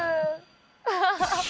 アハハハ。